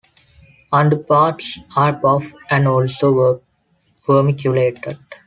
Underparts are buff and also vermiculated.